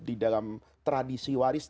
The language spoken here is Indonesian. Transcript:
di dalam tradisi waris